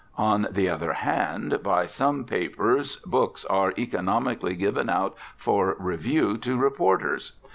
On the other hand, by some papers, books are economically given out for review to reporters.